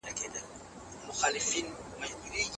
که نفوس زيات وي پرمختګ سستېږي.